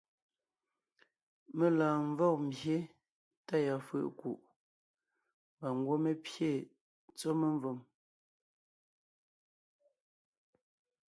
Mé lɔɔn ḿvɔg ḿbye tá yɔɔn fʉ̀ʼ ńkuʼ, mbà ńgwɔ́ mé pyé tsɔ́ memvòm.